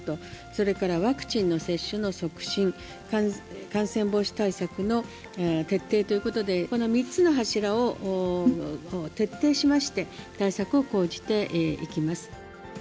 それから、ワクチンの接種の促進、感染防止対策の徹底ということで、この３つの柱を徹底しまして、対策を講じていきます。